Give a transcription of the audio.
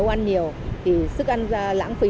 ăn nhiều thì sức ăn lãng phí